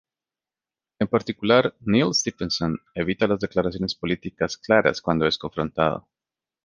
En particular, Neal Stephenson evita las declaraciones políticas claras cuando es confrontado.